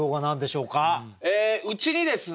うちにですね